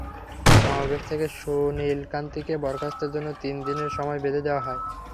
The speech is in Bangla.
সমাবেশ থেকে সুনীল কান্তিকে বরখাস্তের জন্য তিন দিনের সময় বেঁধে দেওয়া হয়।